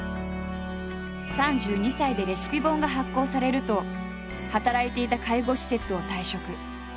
３２歳でレシピ本が発行されると働いていた介護施設を退職。